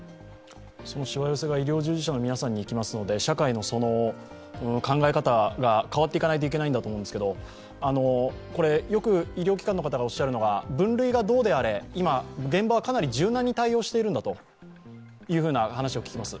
そのしわ寄せが医療従事者の皆さんに行きますので社会の考え方が変わっていかないといけないんだと思いますけどよく医療機関の方がおっしゃるのが、分類がどうであれ今、現場はかなり柔軟に対応しているんだと話を聞きます。